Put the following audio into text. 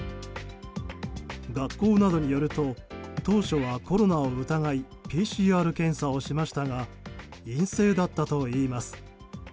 学校などによると当初はコロナを疑いＰＣＲ検査をしましたが陰性だったといいます。